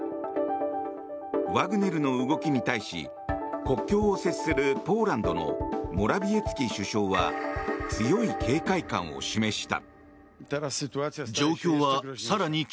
ワグネルの動きに対し国境を接するポーランドのモラビエツキ首相は強い警戒感を示した。